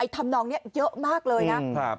ทำนองเยอะมากเลยครับ